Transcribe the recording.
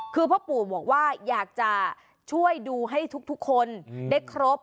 คือพ่อปู่บอกว่าอยากจะช่วยดูให้ทุกคนได้ครบ